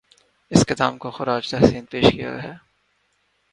اس قدام کو خراج تحسین پیش کیا ہے